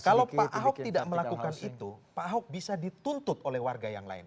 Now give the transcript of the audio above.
kalau pak ahok tidak melakukan itu pak ahok bisa dituntut oleh warga yang lain